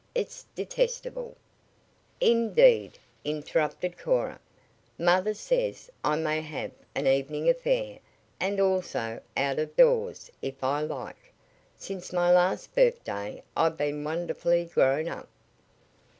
It's detestable " "Indeed," interrupted Cora, "mother says I may have an evening affair, and also out of doors, if I like. Since my last birthday I've been wonderfully grown up."